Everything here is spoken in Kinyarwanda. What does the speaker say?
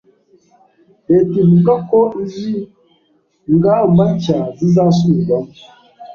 Leta ivuga ko izi ngamba nshya zizasubirwamo